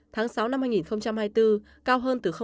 tháng sáu năm hai nghìn hai mươi bốn cao hơn từ năm một năm độ c